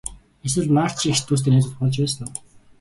Эсвэл Марчийн эгч дүүстэй найзууд болж байсан уу?